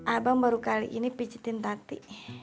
abang baru kali ini picitin tati